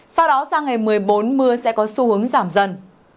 sau đó sang ngày một mươi bốn mưa sẽ có xu hướng giảm dần